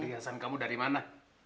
perhiasan kamu dari mana